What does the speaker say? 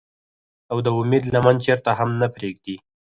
او د اميد لمن چرته هم نۀ پريږدي ۔